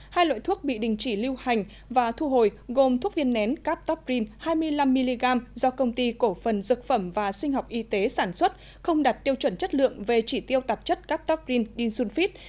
hai loại thuốc bị đình chỉ lưu hành và thu hồi gồm thuốc viên nén captoprin hai mươi năm mg do công ty cổ phần dược phẩm và sinh học y tế sản xuất không đặt tiêu chuẩn chất lượng về chỉ tiêu tạp chất captoprin dinsulfit